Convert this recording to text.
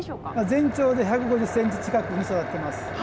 全長１５０センチ近くに育っています。